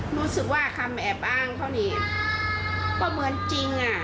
รู้สึกว่าคำแอบอ้างเขานี่ก็เหมือนจริงอ่ะ